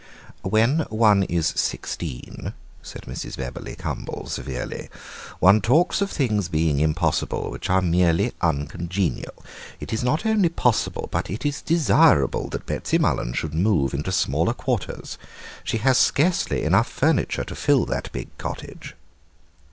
"When one is sixteen," said Mrs. Bebberly Cumble severely, "one talks of things being impossible which are merely uncongenial. It is not only possible but it is desirable that Betsy Mullen should move into smaller quarters; she has scarcely enough furniture to fill that big cottage."